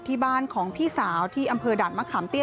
ที่บ้านของพี่สาวที่อำเภอด่านมะขามเตี้ย